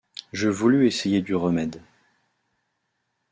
Je voulus essayer du remède.